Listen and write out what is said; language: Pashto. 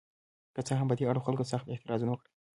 که څه هم په دې اړه خلکو سخت اعتراضونه وکړل.